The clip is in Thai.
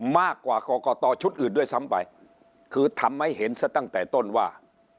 มากกว่ากรกตชุดอื่นด้วยซ้ำไปคือทำให้เห็นซะตั้งแต่ต้นว่า